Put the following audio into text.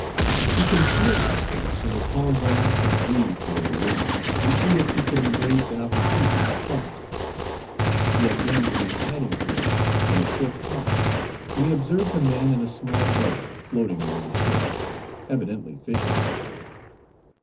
He concealed himself in the tall grass and weeds near the river, to see if he could embrace an opportunity to cross. He had been in his hiding place but a short time, when he observed a man in a small boat, floating near the shore, evidently fishing.